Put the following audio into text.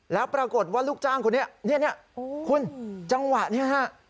แล้วปรากฏว่าลูกจ้างคนนี้เนี่ยคุณจังหวะนี้ฮะ